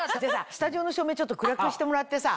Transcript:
スタジオの照明ちょっと暗くしてもらってさ。